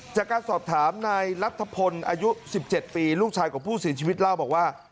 จากการสอบถามนายรัฐพลอายุ๑๗ปีลูกชายของผู้เสียชีวิตเล่าบอกว่า